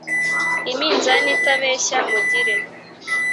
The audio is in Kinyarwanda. Iminzani itabeshya mugire